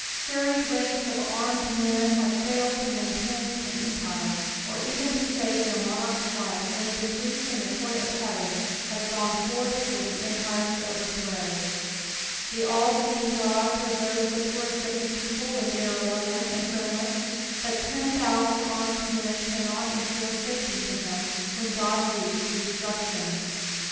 Serried ranks of armed men have failed to maintain on empire, or even to save their monarch's life when a decree from the court of heaven has gone forth for the empire's overthrow. The all leeJDK Ood preserves the poorest of his people when they are olnne and friend len, but ten thousand armed men cannot ensure safety to him whom God lenves to destruction.